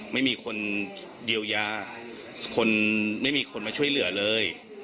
ไม่มีคนเยียวยาคนไม่มีคนมาช่วยเหลือเลย